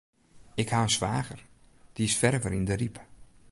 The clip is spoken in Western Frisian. Ik ha in swager, dy is ferver yn de Ryp.